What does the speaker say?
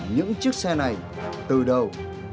những chiếc xe này từ đâu